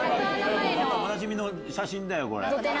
おなじみの写真だよこれ。